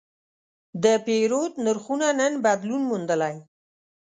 د پیرود نرخونه نن بدلون موندلی.